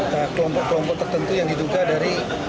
ke kelompok kelompok tertentu yang diduga dari